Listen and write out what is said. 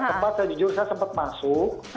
empat sih ya mbak empat saya jujur saya sempat masuk